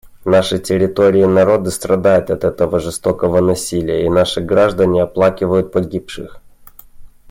Наши территории и народы страдают от этого жестокого насилия, и наши граждане оплакивают погибших.